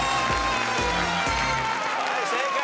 はい正解。